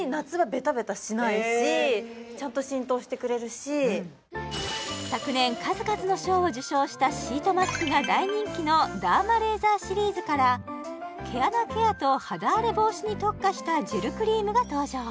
私それで昨年数々の賞を受賞したシートマスクが大人気のダーマレーザーシリーズから毛穴ケアと肌荒れ防止に特化したジェルクリームが登場